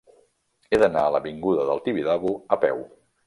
He d'anar a l'avinguda del Tibidabo a peu.